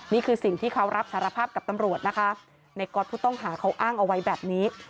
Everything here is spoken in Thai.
นี่คือสิ่งที่เขารับสารภาพกับตำรวจนะคะในก๊อตผู้ต้องหาเขาอ้างเอาไว้แบบนี้